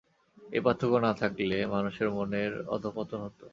এই পার্থক্য না থাকলে মানুষের মনের অধঃপতন হত।